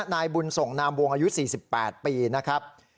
นายบุญส่งนามวงอายุสี่สิบแปดปีนะครับ